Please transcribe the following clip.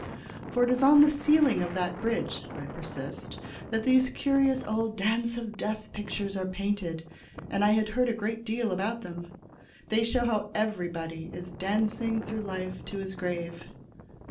"For it is on the ceiling of that bridge," I persist, "that these curious old Dance of Death pictures are painted, and I had heard a great deal about them. They show how everybody is dancing through life to his grave.